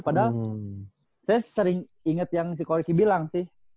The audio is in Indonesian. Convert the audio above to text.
padahal saya sering inget yang si koryki bilang sih